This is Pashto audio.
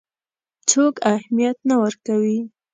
څوک اهمیت نه ورکوي.